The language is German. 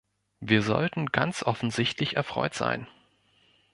Wir sollten ganz offensichtlich erfreut sein.